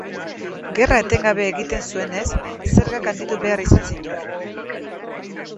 Gerra etengabe egiten zuenez, zergak handitu behar izan zituen.